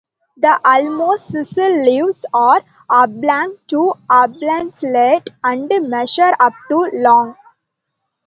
The almost sessile leaves are oblong to oblanceolate and measure up to long.